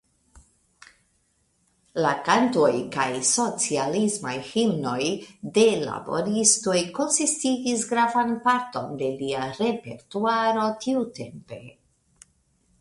La kantoj kaj socialismaj himnoj de laboristoj konsistigis gravan parton de lia repertuaro tiutempe.